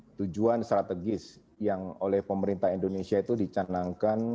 dengan tujuan strategis yang oleh pemerintah indonesia dicanangkan